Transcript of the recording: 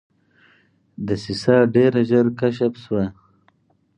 دسیسه ډېره ژر کشف شوه.